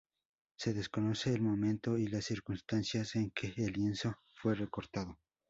Se desconoce el momento y las circunstancias en que el lienzo fue recortado.